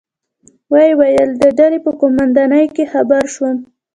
ویې ویل: د ډلې په قومندانۍ کې خبر شوم.